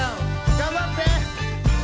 頑張って！